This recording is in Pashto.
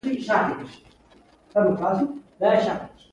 بدرنګه نیت نېک نیتونه وژني